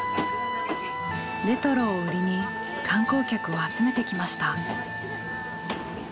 レトロを売りに観光客を集めてきました。